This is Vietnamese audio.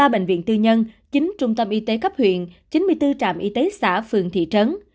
ba bệnh viện tư nhân chín trung tâm y tế cấp huyện chín mươi bốn trạm y tế xã phường thị trấn